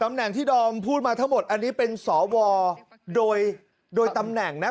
แหน่งที่ดอมพูดมาทั้งหมดอันนี้เป็นสวโดยโดยตำแหน่งนะ